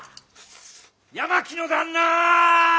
八巻の旦那！